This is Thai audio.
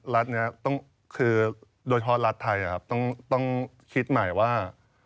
รัฐนี้คือโดยเฉพาะรัฐไทยต้องคิดใหม่ว่า